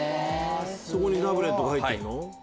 タブレットが入ってるの？